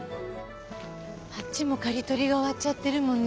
あっちも刈り取りが終わっちゃってるもんね。